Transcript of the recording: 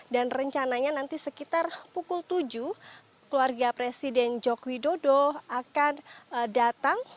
dan rencananya nanti sekitar pukul tujuh keluarga presiden jokowi dodo akan datang